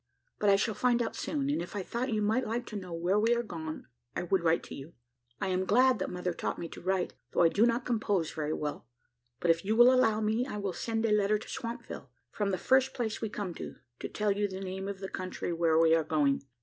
But I shall find out soon, and if I thought you might like to know where we are gone, I would write to you. I am glad that mother taught me to write, though I do not compose very well; but if you will allow me, I will send a letter to Swampville, from the first place we come to, to tell you the name of the country where we are going.